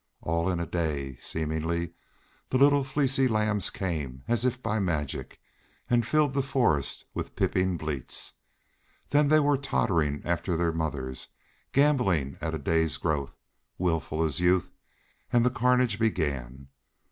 All in a day, seemingly, the little fleecy lambs came, as if by magic, and filled the forest with piping bleats. Then they were tottering after their mothers, gamboling at a day's growth, wilful as youth and the carnage began.